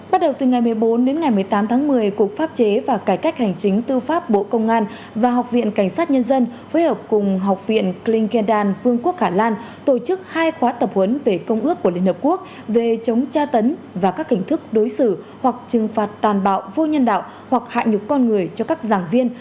bắt đầu từ ngày một mươi bốn đến ngày một mươi tám tháng một mươi cục pháp chế và cải cách hành chính tư pháp bộ công an và học viện cảnh sát nhân dân phối hợp cùng học viện clin kendan vương quốc hà lan tổ chức hai khóa tập huấn về công ước của liên hợp quốc về chống tra tấn và các hình thức đối xử hoặc trừng phạt tàn bạo vô nhân đạo hoặc hạ nhục con người cho các giảng viên